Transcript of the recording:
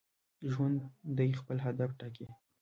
ژوندي خپل هدف ټاکي